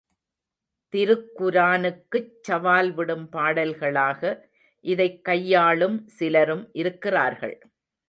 திருக்குரானுக்குச் சவால்விடும் பாடல்களாக இதைக் கையாளும் சிலரும் இருக்கிறார்கள்.